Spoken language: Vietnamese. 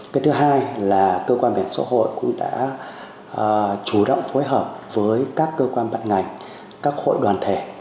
cái thứ hai là cơ quan bảo hiểm xã hội cũng đã chủ động phối hợp với các cơ quan bận ngành các hội đoàn thể